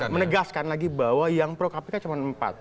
menegaskan lagi bahwa yang pro kpk cuma empat